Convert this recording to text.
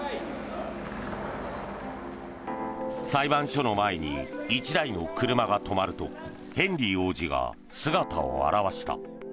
裁判所の前に１台の車が止まるとヘンリー王子が姿を現した。